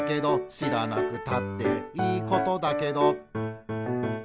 「しらなくたっていいことだけど」